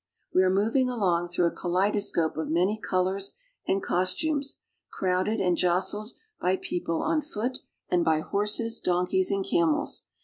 We are moving along through a kaleidoscope of many colors an^ costumes, crowded and jostled by people on foot, and by horses, donkeys, and camels.